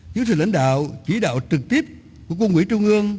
chúng tôi lãnh đạo chỉ đạo trực tiếp của quân ủy trung ương